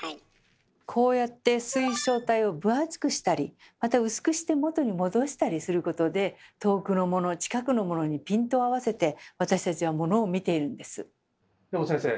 こうやって水晶体を分厚くしたりまたうすくして元に戻したりすることで遠くのもの近くのものにピントを合わせて私たちはモノを見ているんです。